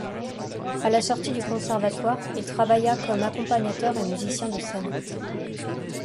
À la sortie du Conservatoire, il travailla comme accompagnateur et musicien de scène.